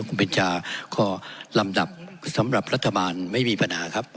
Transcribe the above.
คุณเบนจาคอลำดับสำหรับรัฐบาลไม่มีปัญหาครับ